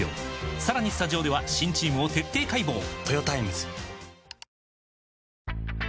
さらにスタジオでは新チームを徹底解剖！に潜入！